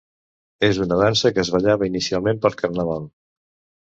És una dansa que es ballava, inicialment, per Carnaval.